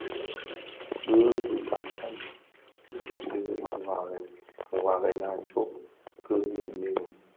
Bi bitamtam dhi waarèna a tsog ki birim.